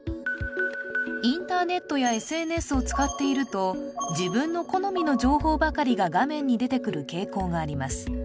インターネットやＳＮＳを使っていると自分の好みの情報ばかりが画面に出てくる傾向があります